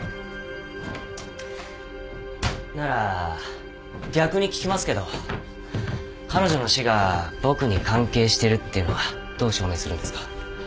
なら逆に聞きますけど彼女の死が僕に関係してるっていうのはどう証明するんですか？